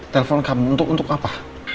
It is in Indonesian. telepon kamu untuk apa